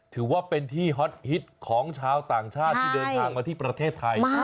ถือว่าเป็นที่ฮอตฮิตของชาวต่างชาติที่เดินทางมาที่ประเทศไทย